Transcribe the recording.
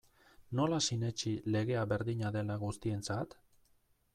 Nola sinetsi legea berdina dela guztientzat?